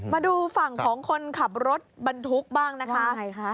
มาดูฝั่งของคนขับรถบรรทุกบ้างนะคะยังไงคะ